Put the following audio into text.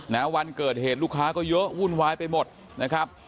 วันเกิดเหตุลูกค้าก็เยอะวุ่นวายไปหมดนะครับ